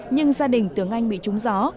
nhưng gia đình tưởng anh bị trúng gió